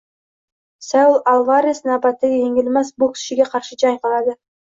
Saul Alvares navbatdagi yengilmas bokschiga qarshi jang qiladi